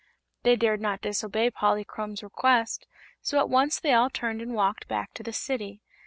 They dared not disobey Polychrome's request, so at once they all turned and walked back to the City.